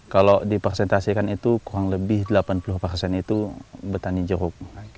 kalau dipresentasikan itu kurang lebih delapan puluh persen itu petani jeruk